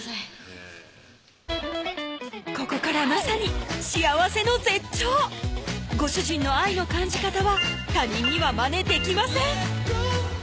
へぇここからまさに幸せの絶頂ご主人の愛の感じ方は他人にはマネできません